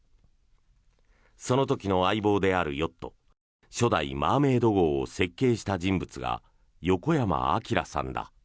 その時の相棒であるヨット初代「マーメイド号」を設計した人物が横山晃さんだ。